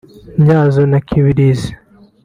Ntyazo na Kibirizi